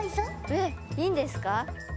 えっいいんですか？